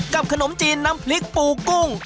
ขนมจีนน้ำพริกปูกุ้ง